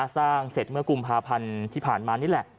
สร้างเสร็จเมื่อกุมภาพันธ์ที่ผ่านมานี่แหละ